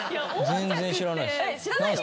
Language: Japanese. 全然知らないっす。